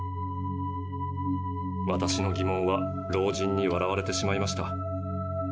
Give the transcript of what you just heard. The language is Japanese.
私の疑問は老人に笑われてしまいました。